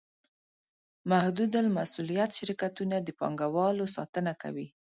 محدودالمسوولیت شرکتونه د پانګوالو ساتنه کوي.